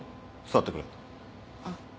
座ってくれ。